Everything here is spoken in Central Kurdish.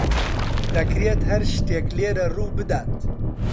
دەکرێت هەر شتێک لێرە ڕووبدات.